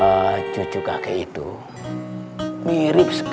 pak ustadz betul pak